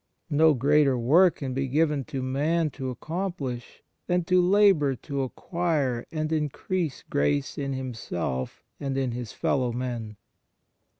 No greater work can be given to man to accomplish than to labour to acquire and increase grace in himself and in his fellow men.